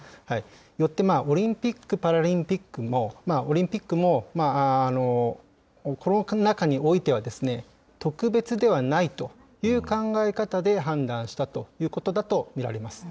よってオリンピック・パラリンピックも、オリンピックも、コロナ禍においては、特別ではないという考え方で判断したということだと見られます。